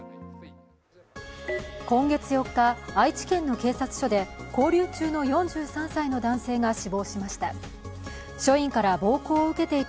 今月４日、愛知県の警察署で勾留中の４３歳の男性が死亡しました。